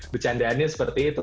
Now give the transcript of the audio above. bercandaannya seperti itu